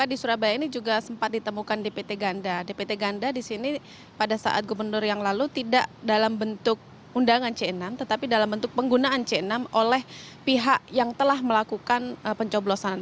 di pt ganda di sini pada saat gubernur yang lalu tidak dalam bentuk undangan c enam tetapi dalam bentuk penggunaan c enam oleh pihak yang telah melakukan pencoblosan